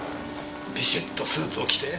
ビシッとスーツを着て？